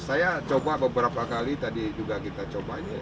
saya coba beberapa kali tadi juga kita coba ini